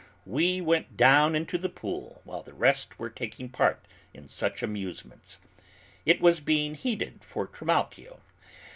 We went down into the pool while the rest were taking part in such amusements. It was being heated for Trimalchio.